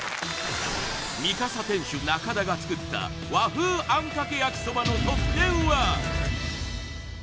みかさ店主・中田が作った和風あんかけ焼きそばの得点は？